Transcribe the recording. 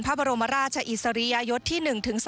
พระบรมราชอิสริยยศที่๑๓